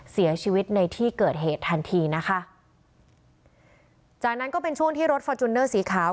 เสียชีวิตในที่เกิดเหตุทันทีนะคะจากนั้นก็เป็นช่วงที่รถฟอร์จูเนอร์สีขาว